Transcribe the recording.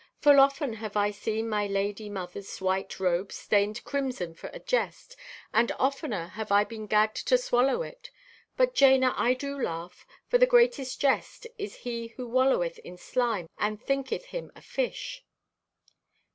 Full often have I seen my ladye mother's white robe stained crimson for a jest, and oftener have I been gagged to swallow it. But, Jana, I do laugh, for the greatest jest is he who walloweth in slime and thinketh him a fish."